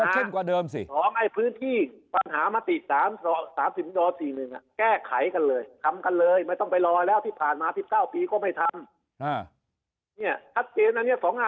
๒พื้นที่ปัญหามาติด๓๐๔๑แก้ไขกันเลยทำกันเลยไม่ต้องไปรอแล้วที่ผ่านมา๑๙ปีก็ไม่ทำ